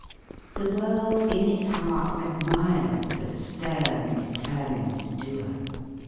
] The world in its heart admires the stern, determined doer.